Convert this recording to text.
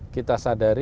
kita selalu berharga